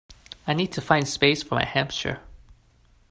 I need to find space for my hamster